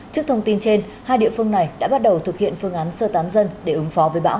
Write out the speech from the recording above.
trước thông tin trên hai địa phương này đã bắt đầu thực hiện phương án sơ tán dân để ứng phó với bão